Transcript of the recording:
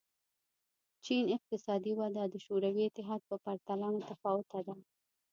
چین اقتصادي وده د شوروي اتحاد په پرتله متفاوته ده.